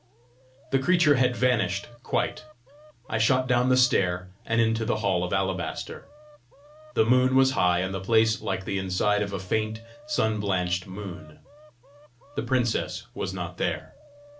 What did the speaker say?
The creature had vanished quite. I shot down the stair, and into the hall of alabaster. The moon was high, and the place like the inside of a faint, sun blanched moon. The princess was not there.